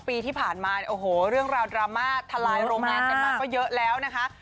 ปีที่ผ่านมาเนี่ยโอ้โหเรื่องราวดราม่าทลายโรงงานกันมาก็เยอะแล้วนะคะ